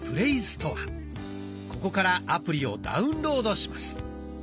ここからアプリをダウンロードします。